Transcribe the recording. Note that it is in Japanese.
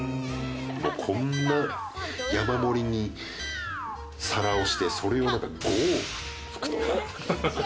こんな山盛りに皿をしてそれを５往復とか。